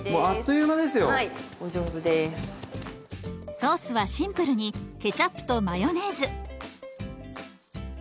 ソースはシンプルにケチャップとマヨネーズ。